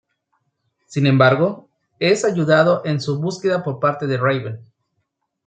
Sin embargo, es ayudado en su búsqueda por parte de Raven.